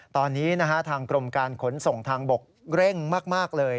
ตอนนี้ทางกรมการขนส่งทางบกเร่งมากเลย